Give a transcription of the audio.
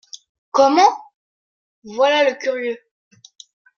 Comment ? Voilà le curieux.